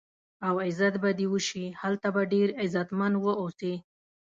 او عزت به دې وشي، هلته به ډېر عزتمن و اوسې.